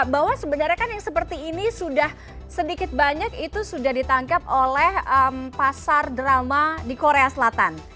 bahwa sebenarnya kan yang seperti ini sudah sedikit banyak itu sudah ditangkap oleh pasar drama di korea selatan